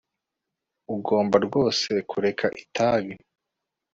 Ugomba rwose kureka itabi